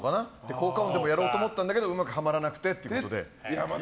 効果音やろうと思ったけどうまくハマらなくてっていうことで。